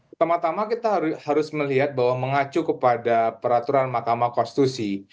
pertama tama kita harus melihat bahwa mengacu kepada peraturan mahkamah konstitusi